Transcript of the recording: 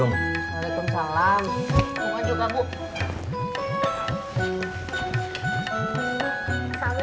bunga juga bu